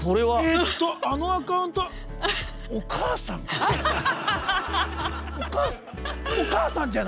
あのアカウントはお母さんかな？